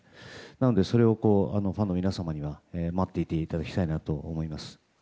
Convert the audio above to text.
なので、それをファンの皆様には待っていていただきたいなと思います。